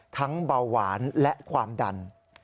เบาหวานและความดัน